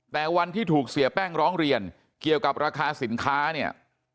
แต่วันที่ถูกเสียแป้งร้องเรียนเกี่ยวกับราคาสินค้าเนี่ย